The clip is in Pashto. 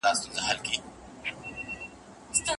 فقیران لکه سېلونه د کارګانو